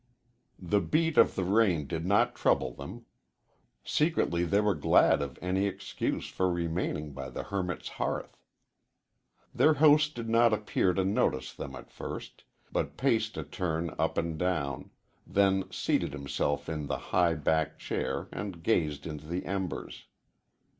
The beat of the rain did not trouble them. Secretly they were glad of any excuse for remaining by the hermit's hearth. Their host did not appear to notice them at first, but paced a turn up and down, then seated himself in the high backed chair and gazed into the embers.